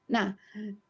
nah sepekan ke depan